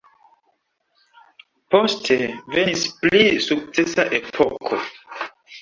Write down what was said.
Poste venis pli sukcesa epoko.